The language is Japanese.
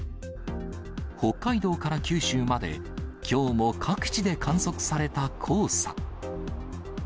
北海道から九州まで、きょうも各地で観測された黄砂。